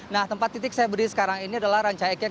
nah tempat titik saya beri sekarang ini adalah ranca ekek